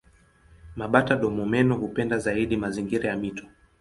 Mabata-domomeno hupenda zaidi mazingira ya mito.